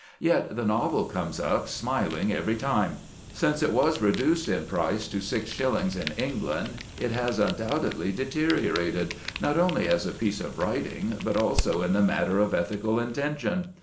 Yet the novel comes up smiling every time. Since it was reduced in price to six shillings in England it has undoubtedly deteriorated, not only as a piece of writing, but also in the matter of ethical intention.